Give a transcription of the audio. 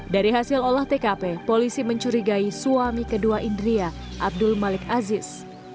dari hasil olah tkp polisi mencurigai suami kedua indria abdul malik aziz